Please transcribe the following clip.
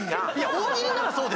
大喜利ならそうですけど。